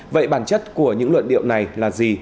vậy bản chất của những luận điệu này là gì